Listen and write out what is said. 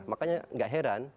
makanya gak heran